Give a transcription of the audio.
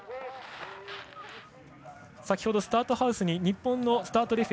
先ほど、スタートハウスに日本のスタート